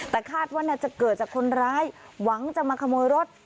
แต่คาดว่าน่าจะเกิดจากคนร้ายหวังจะมาขโมยรถ